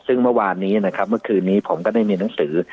ซึ่งเมื่อวานนี้นะครับเมื่อคืนนี้ผมก็ได้มีหนังสือ